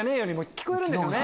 聞こえるんですよね。